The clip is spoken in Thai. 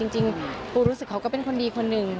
จริงปูรู้สึกเขาก็เป็นคนดีคนหนึ่ง